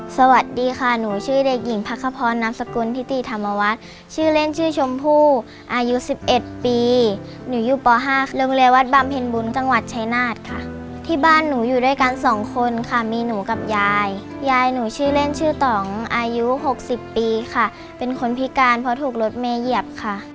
สวัสดีค่ะหนูชื่อเด็กหญิงพักขพรนามสกุลทิติธรรมวัฒน์ชื่อเล่นชื่อชมพู่อายุสิบเอ็ดปีหนูอยู่ป๕โรงเรียนวัดบำเพ็ญบุญจังหวัดชายนาฏค่ะที่บ้านหนูอยู่ด้วยกันสองคนค่ะมีหนูกับยายยายหนูชื่อเล่นชื่อต่องอายุหกสิบปีค่ะเป็นคนพิการเพราะถูกรถเมย์เหยียบค่ะ